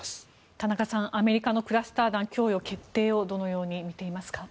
田中さん、アメリカのクラスター弾供与決定をどのように見ていますか？